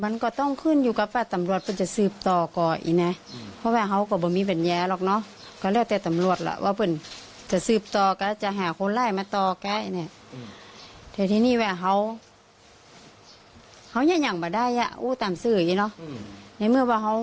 น้องปิงปองก็เสียแล้ว